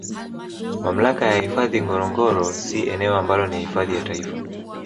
Mamlaka ya hifadhi Ngorongoro si eneo ambalo ni hifadhi ya Taifa